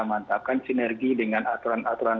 mantapkan sinergi dengan aturan aturan